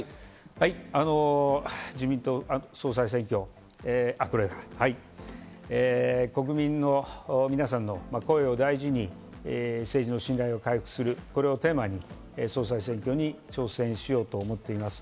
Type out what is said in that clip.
自民党総裁選挙、国民の皆さんの声を大事に政治の信頼を回復する、これをテーマに総裁選挙に挑戦しようと思っています。